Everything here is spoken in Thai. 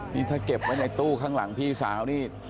นี่ถ้าเก็บไว้ในตู้ข้างหลังพี่สาวนี่